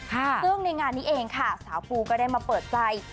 ซึ่งในงานนี้เองค่ะสาวปูก็ได้มาเปิดใจ